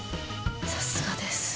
さすがです。